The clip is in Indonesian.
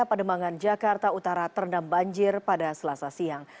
pademangan jakarta utara terendam banjir pada selasa siang